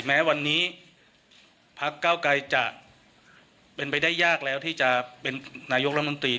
แม้วันนี้พักเก้าไกรจะเป็นไปได้ยากแล้วที่จะเป็นนายกรัฐมนตรี